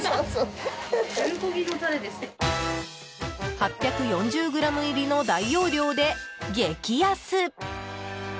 ８４０ｇ入りの大容量で激安！